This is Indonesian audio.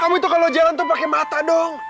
kamu itu kalau jalan tuh pakai mata dong